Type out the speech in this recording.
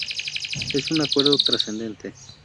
Es un acuerdo trascendente"".